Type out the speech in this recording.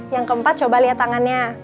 yang keempat coba lihat tangannya